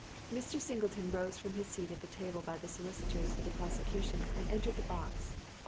Mr. Singleton rose from his seat at the table by the solicitors for the prosecution and entered the box.